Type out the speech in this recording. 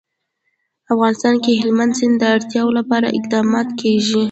افغانستان کې د هلمند سیند د اړتیاوو لپاره اقدامات کېږي.